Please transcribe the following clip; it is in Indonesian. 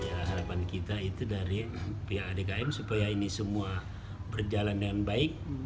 harapan kita itu dari pihak adkm supaya ini semua berjalan dengan baik